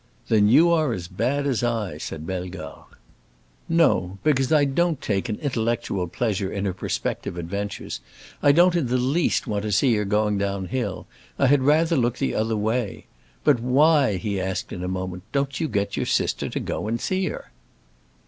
"Then you are as bad as I!" said Bellegarde. "No, because I don't take an 'intellectual pleasure' in her prospective adventures. I don't in the least want to see her going down hill. I had rather look the other way. But why," he asked, in a moment, "don't you get your sister to go and see her?"